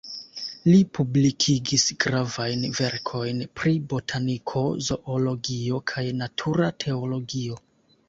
Li publikigis gravajn verkojn pri botaniko, zoologio, kaj natura teologio.